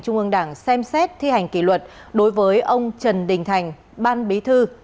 trung ương đảng xem xét thi hành kỷ luật đối với ông trần đình thành ban bí thư